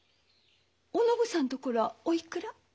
お信さんところはおいくら？